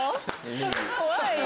怖い。